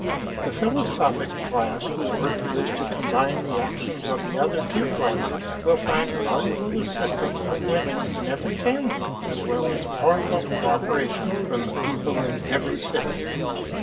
The philosophic class whose work it is to combine the action of the other two classes, will find valuable assistance from women in every family, as well as powerful co operation from the people in every city.